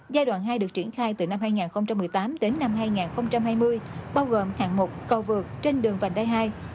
giai đoạn hai được triển khai từ năm hai nghìn một mươi tám đến năm hai nghìn hai mươi bao gồm hạng mục cầu vượt trên đường vành đai hai